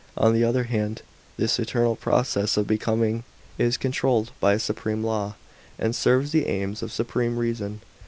On the other hand, this eternal process of Becoming is controlled by a supreme law, and serves the aims of supreme Reason.